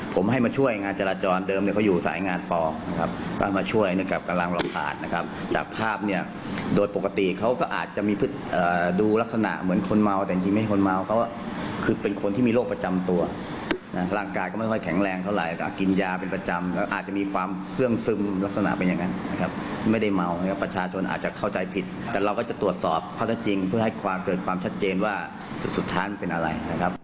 ประชาชนอาจจะเข้าใจผิดแต่เราก็จะตรวจสอบเข้าใจจริงเพื่อให้เกิดความชัดเจนว่าสุดท้านเป็นอะไร